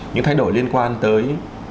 những thay đổi liên quan tới